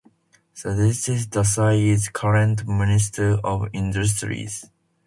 Subhash Desai is current Minister of Industries.